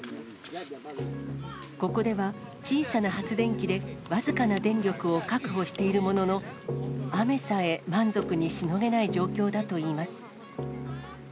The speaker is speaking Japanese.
ここでは、小さな発電機で僅かな電力を確保しているものの、雨さえ満足にしのげない状況だといいます。